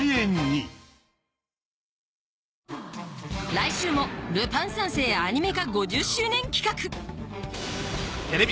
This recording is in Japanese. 来週も『ルパン三世』アニメ化５０周年企画ＴＶ